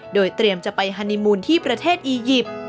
โดยเตรียมจะไปฮานีมูลที่ประเทศอียิปต์